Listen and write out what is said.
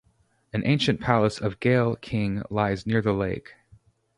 An ancient palace of Ghale king lies near the lake.